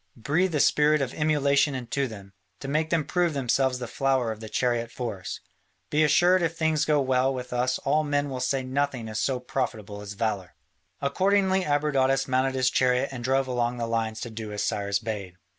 Breathe a spirit of emulation into them, to make them prove themselves the flower of the chariot force. Be assured if things go well with us all men will say nothing is so profitable as valour." Accordingly Abradatas mounted his chariot and drove along the lines to do as Cyrus bade.